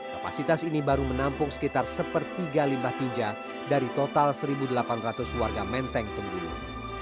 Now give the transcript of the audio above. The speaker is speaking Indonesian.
kapasitas ini baru menampung sekitar sepertiga limbah tinja dari total satu delapan ratus warga menteng tenggulu